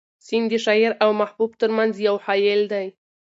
سیند د شاعر او محبوب تر منځ یو حایل دی.